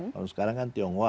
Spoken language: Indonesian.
kalau sekarang kan tionghoa